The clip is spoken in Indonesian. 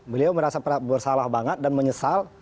beliau merasa bersalah banget dan menyesal